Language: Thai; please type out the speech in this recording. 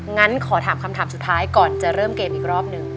งั้นขอถามคำถามสุดท้ายก่อนจะเริ่มเกมอีกรอบหนึ่ง